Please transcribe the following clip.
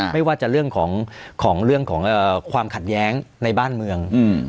ไม่ว่าจะเรื่องของความขัดแย้งในบ้านเมือง